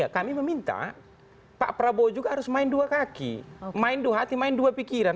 kami meminta pak prabowo juga harus main dua kaki main dua hati main dua pikiran